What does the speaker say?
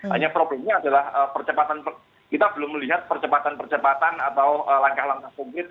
hanya problemnya adalah percepatan kita belum melihat percepatan percepatan atau langkah langkah konkret